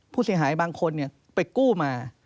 ผู้เสียหายบางคนไปกู้มา